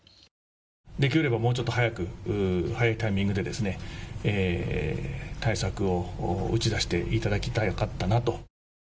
できればもうちょっと早いタイミングで対策をさせていただきたいなと。